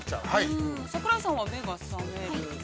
桜井さんは目が覚める。